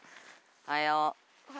おはよう。